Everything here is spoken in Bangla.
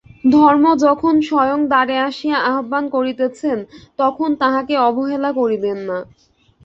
ধর্ম যখন স্বয়ং দ্বারে আসিয়া আহ্বান করিতেছেন তখন তাঁহাকে অবহেলা করিবেন না।